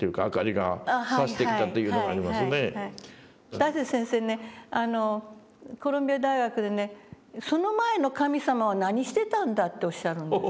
大拙先生ねコロンビア大学でね「その前の神様は何してたんだ」とおっしゃるのよ。